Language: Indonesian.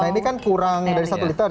nah ini kan kurang dari satu liter